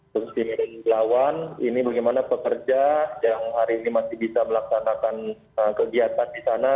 ke similawang ini bagaimana pekerja yang hari ini masih bisa melaksanakan kegiatan di sana